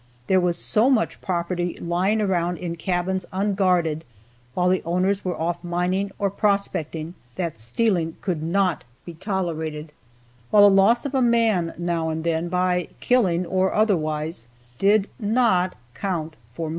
There was so much property lying around in cabins unguarded, while the owners were off mining or prospecting, that stealing could not be tolerated, while the loss of a man now and then by killing or otherwise did not count for much.